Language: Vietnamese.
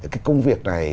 cái công việc này